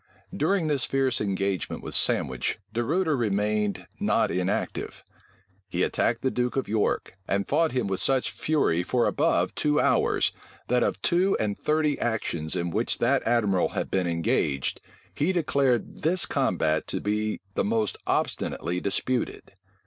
During this fierce engagement with Sandwich, De Ruyter remained not inactive. He attacked the duke of York, and fought him with such fury for above two hours, that of two and thirty actions in which that admiral had been engaged, he declared this combat to be the most obstinately disputed.